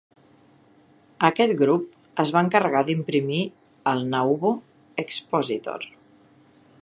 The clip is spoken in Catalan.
Aquest grup es va encarregar d'imprimir el "Nauvoo Expositor".